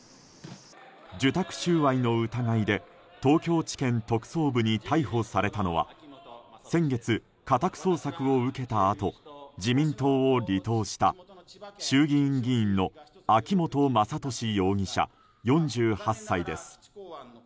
受託収賄の疑いで東京地検特捜部に逮捕されたのは先月、家宅捜索を受けたあと自民党を離党した衆議院議員の秋本真利容疑者４８歳です。